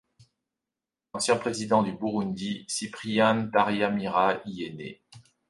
L'ancien Président du Burundi Cyprien Ntaryamira y est né.